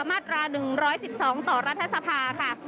มาตรา๑๑๒ต่อรัฐสภาค่ะ